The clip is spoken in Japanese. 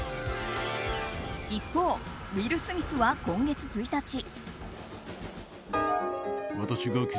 一方、ウィル・スミスは今月１日。